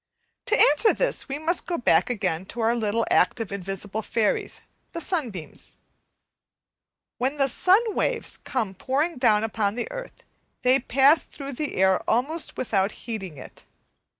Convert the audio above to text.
To answer this we must go back again to our little active invisible fairies the sunbeams. When the sun waves come pouring down upon the earth they pass through the air almost without heating it.